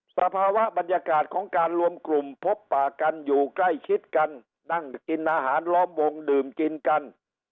สภาวะบรรยากาศของการรวมกลุ่มพบปากกันอยู่ใกล้ชิดกันนั่งกินอาหารล้อมวงดื่มกินกัน